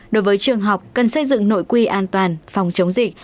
đối với trường học cần xây dựng nội quy an toàn phòng chống dịch